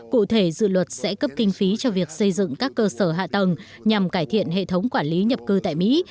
cụ thể dự luật sẽ cấp kinh phí cho việc xây dựng các cơ sở hạ tầng nhằm cải thiện hệ thống quản lý nhập cư tại mỹ